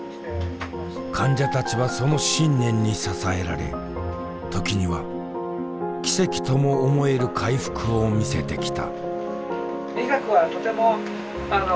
患者たちはその信念に支えられ時には奇跡とも思える回復を見せてきた。